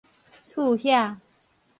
禿額